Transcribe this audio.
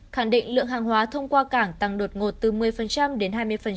khẳng định lượng hàng hóa thông qua cảng tăng đột ngột từ một mươi đến hai mươi